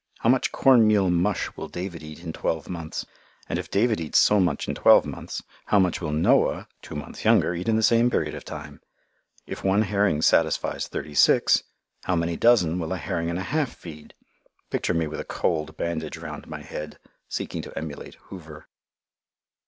How much corn meal mush will David eat in twelve months? And if David eats so much in twelve months, how much will Noah, two months younger, eat in the same period of time? If one herring satisfies thirty six, how many dozen will a herring and a half feed? Picture me with a cold bandage round my head seeking to emulate Hoover.